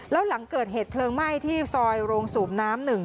แล้วหลังเกิดเหตุเพลิงไหม้ที่ซอยโรงสูบน้ำ๑